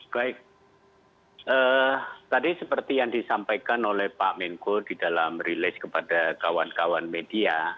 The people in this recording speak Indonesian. baik tadi seperti yang disampaikan oleh pak menko di dalam rilis kepada kawan kawan media